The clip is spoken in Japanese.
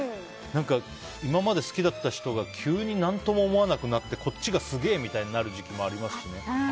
何か、今まで好きだった人が急に何とも思わなくなってこっちがすげえみたいになる時期もありますしね。